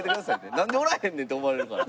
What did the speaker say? なんでおらへんねんって思われるから。